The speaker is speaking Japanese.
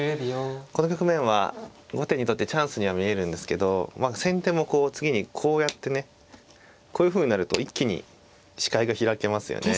この局面は後手にとってチャンスには見えるんですけど先手もこう次にこうやってねこういうふうになると一気に視界が開けますよね。